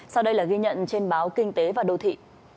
sau đây là ghi nhận trên báo kinh tế và đô thị